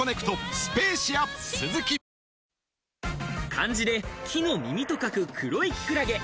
漢字で「木の耳」と書く、黒いキクラゲ。